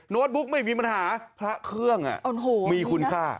บุ๊กไม่มีปัญหาพระเครื่องมีคุณค่า